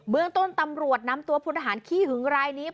เมืองต้นตำรวจนำตัวพลทหารขี้หึงรายนี้